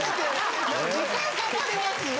時間かかりますよ。